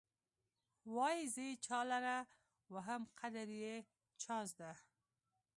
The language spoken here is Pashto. وايې زه یې چا لره وهم قدر يې چا زده.